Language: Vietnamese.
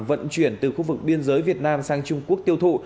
vận chuyển từ khu vực biên giới việt nam sang trung quốc tiêu thụ